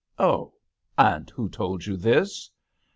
" Oh ! And who told you this